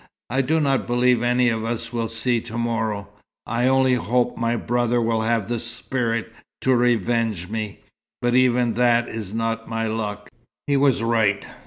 I do not believe any of us will see to morrow. I only hope my brother will have the spirit to revenge me. But even that is not my luck." He was right.